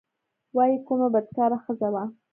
وايي کومه بدکاره ښځه وه.